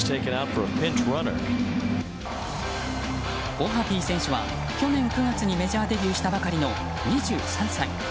オハピー選手は去年９月にメジャーデビューしたばかりの２３歳。